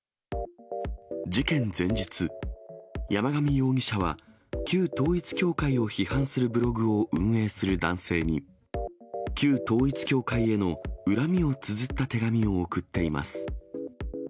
事件前日、山上容疑者は、旧統一教会を批判するブログを運営する男性に、旧統一教会への恨みをつづった手紙を送っています。